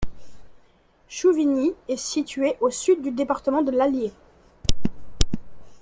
Chouvigny est située au sud du département de l'Allier.